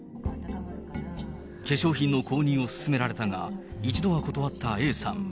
化粧品の購入を勧められたが、一度は断ったＡさん。